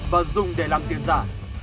và dùng để làm tiền giả